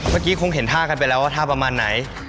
เมื่อกี้คงเห็นท่ากันไปแล้วว่าท่าประมาณไหน